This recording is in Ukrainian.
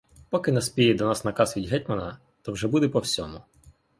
Поки наспіє до нас наказ від гетьмана, то вже буде по всьому.